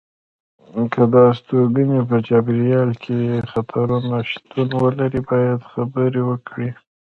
که د استوګنې په چاپېریال کې خطرونه شتون ولري باید خبر ورکړي.